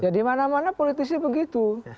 jadi mana mana politisi begitu